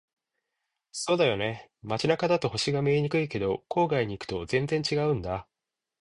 そうだよね。街中だと星が見えにくいけど、郊外に行くと全然違うんだ。